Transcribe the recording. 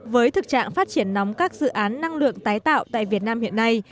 với thực trạng phát triển nóng các dự án năng lượng tái tạo tại việt nam hiện nay